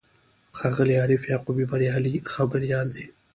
ښاغلی عارف یعقوبي بریالی خبریال دی.